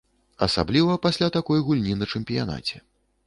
Асабліва пасля такой гульні на чэмпіянаце.